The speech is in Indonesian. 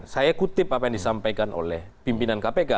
saya kutip apa yang disampaikan oleh pimpinan kpk